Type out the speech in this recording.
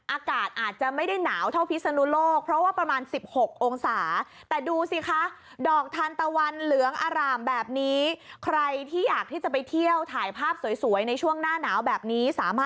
อากาศอาจจะไม่ได้หนาวเท่าพิศนุโลกเพราะว่าประมาณสิบหกองศา